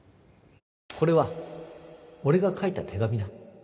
これは俺が書いた手紙だ